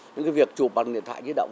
những cái việc chụp bằng điện thoại di động